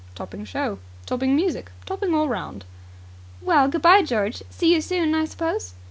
"Topping show. Topping music. Topping all round." "Well, good bye, George. See you soon, I suppose?"